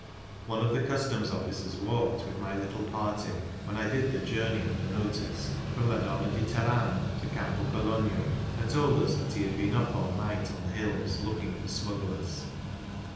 One of the customs officers walked with my little party, when I did the journey under notice, from Madonna di Tirano to Campo Cologno, and told us that he had been up all night on the hills looking for smugglers.